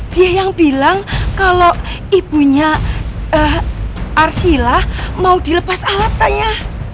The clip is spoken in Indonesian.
dia yang bilang kalau ibunya arsyilah mau dilepas alatnya